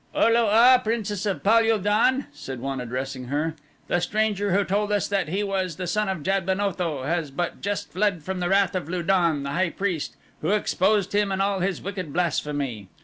"O lo a, Princess of Pal ul don," said one, addressing her, "the stranger who told us that he was the son of Jad ben Otho has but just fled from the wrath of Lu don, the high priest, who exposed him and all his wicked blasphemy.